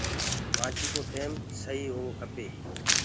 گھڙيو ڪو ٽيم سهي هوو کپي